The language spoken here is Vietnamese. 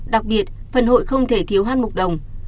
đặc biệt phần hội không thể thiếu han mục đồng